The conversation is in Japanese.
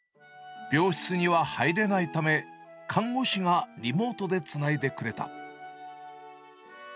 病室には入れないため、看護師がリモートでつないでくれた。